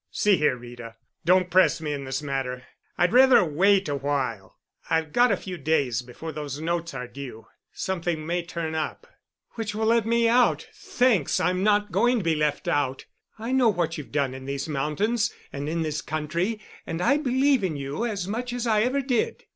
"See here, Rita, don't press me in this matter, I'd rather wait a while. I've got a few days before those notes are due. Something may turn up——" "Which will let me out—thanks, I'm not going to be left out. I know what you've done in these mountains and in this country, and I believe in you as much as I ever did.